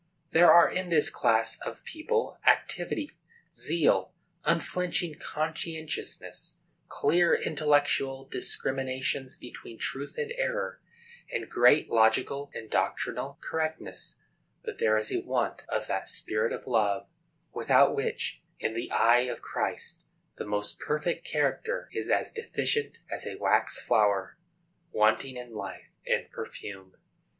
There are in this class of people activity, zeal, unflinching conscientiousness, clear intellectual discriminations between truth and error, and great logical and doctrinal correctness; but there is a want of that spirit of love, without which, in the eye of Christ, the most perfect character is as deficient as a wax flower—wanting in life and perfume.